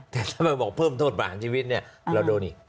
แต่ถ้ามันบอกเพิ่มโทษประหารชีวิตเนี่ยเราโดนอีก